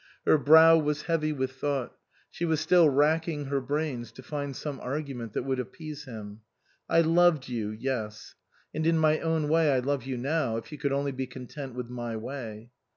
Her brow was heavy with thought ; she was still racking her brains to find some argument that would appease him. " I loved you yes. And in my own way I love you now, if you could only be content with my way."